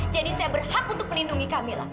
jadi saya berhak untuk melindungi kamila